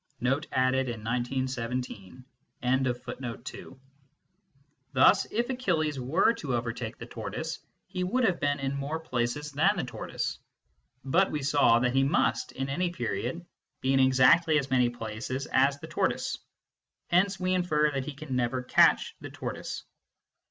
[Note added in 1917.] 90 MYSTICISM AND LOGIC to overtake the tortoise, he would have been in more places than the tortoise ; but we saw that he must, in any period, be in exactly as many places as the tortoise. Hence we infer that he can never catch the tortoise.